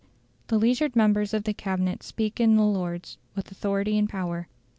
The leisured members of the Cabinet speak in the Lords with authority and power.